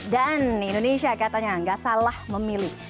dan indonesia katanya gak salah memilih